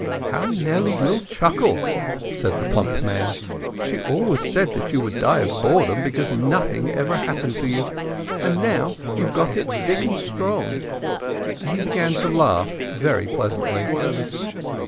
"How Nellie will chuckle," said the plump man. "She always said that you would die of boredom because nothing ever happened to you. And now you've got it thick and strong," and he began to laugh very pleasantly.